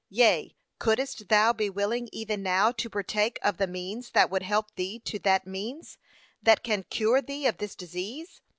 yea, couldest thou be willing even now to partake of the means that would help thee to that means, that can cure thee of this disease?